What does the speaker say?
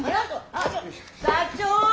社長！